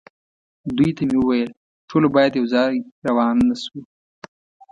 دوی ته مې وویل: ټول باید یو ځای روان نه شو.